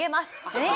えっ！？